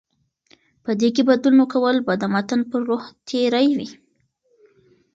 په دې کې بدلون کول به د متن پر روح تېری وي